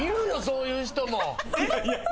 そういう人も。えっ！？